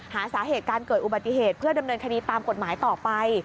หาสาเหตุการเกิดอุบัติเหตุเพื่อดำเนินคดีตามกฎหมายต่อไป